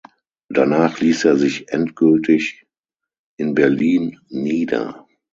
Danach ließ er sich endgültig in Berlin nieder.